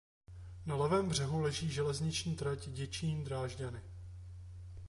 Na levém břehu leží železniční trať Děčín–Drážďany.